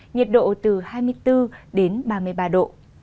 nhiệt độ từ hai mươi bốn đến ba mươi ba độ